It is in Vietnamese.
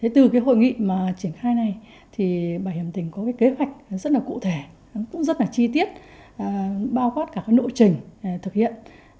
từ hội nghị triển khai này bảo hiểm tỉnh có kế hoạch rất cụ thể rất chi tiết bao gót cả nội trình thực hiện